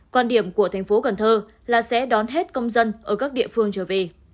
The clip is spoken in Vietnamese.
quan điểm của thành phố cần thơ là sẽ đón hết công dân ở các địa phương trở về